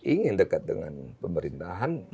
ingin dekat dengan pemerintahan